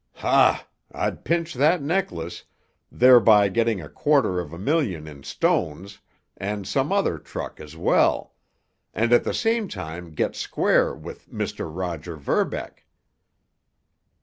"Ha! I'd pinch that necklace, thereby getting a quarter of a million in stones, and some other truck as well—and at the same time get square with Mr. Roger Verbeck."